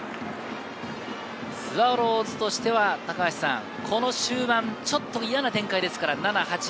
スワローズとしては、この終盤、ちょっと嫌な展開ですから７、８。